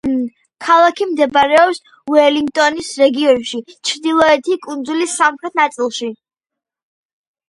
ქალაქი მდებარეობს უელინგტონის რეგიონში, ჩრდილოეთი კუნძულის სამხრეთ ნაწილში.